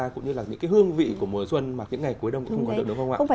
cũng như là những cái hương vị của mùa xuân mà những ngày cuối đông cũng không còn được đúng không ạ